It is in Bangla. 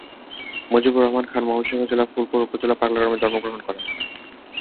মুজিবুর রহমান খান ময়মনসিংহ জেলার ফুলপুর উপজেলার পাগলা গ্রামে জন্মগ্রহণ করেন।